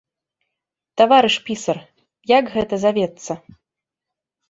Таварыш пісар, як гэта завецца?